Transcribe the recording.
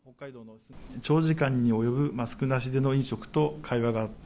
長時間に及ぶマスクなしでの飲食と会話があった。